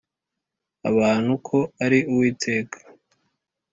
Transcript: abantu ko ari Uwiteka